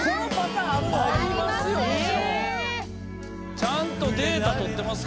ちゃんとデータ取ってますから。